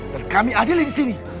dan kami adilin disini